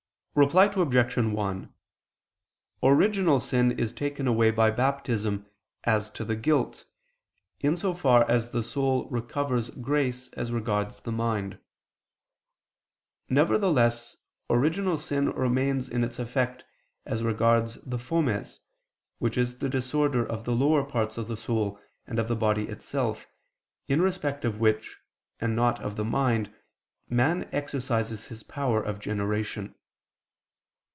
Reply Obj. 1: Original sin is taken away by Baptism as to the guilt, in so far as the soul recovers grace as regards the mind. Nevertheless original sin remains in its effect as regards the fomes, which is the disorder of the lower parts of the soul and of the body itself, in respect of which, and not of the mind, man exercises his power of generation.